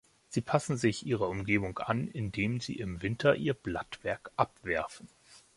Sie passen sich ihrer Umgebung an, indem sie im Winter ihr Blattwerk abwerfen.